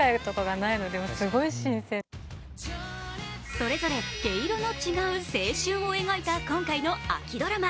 それぞれ毛色の違う青春を描いた今回の秋ドラマ。